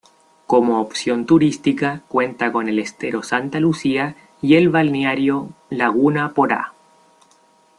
Como opción turística cuenta con el Estero Santa Lucía y el balneario "Laguna Porá".